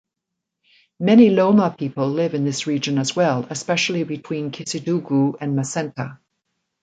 Many Loma people live in this region as well, especially between Kissidougou and Macenta.